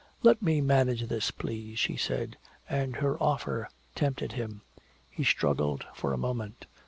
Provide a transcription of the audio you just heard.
"Let me manage this please," she said. And her offer tempted him. He struggled for a moment.